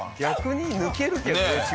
逆に抜けるけどね